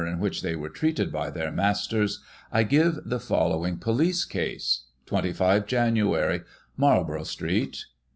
85 in which they were treated by their masters, I give the following police case. 25 Jan. : Marlborough Street.